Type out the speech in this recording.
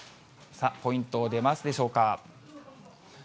さあ、ポイント出ますでしょうか。